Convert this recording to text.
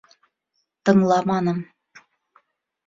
Тыңламаным.